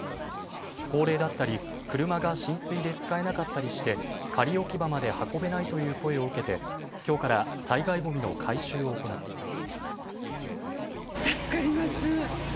高齢だったり車が浸水で使えなかったりして仮置き場まで運べないという声を受けてきょうから災害ごみの回収を行っています。